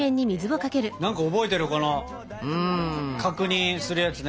何か覚えてるこの確認するやつね。